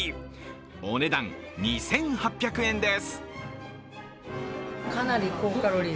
お値段２８００円です。